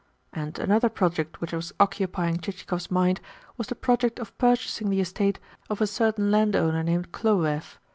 And another project which was occupying Chichikov's mind was the project of purchasing the estate of a certain landowner named Khlobuev.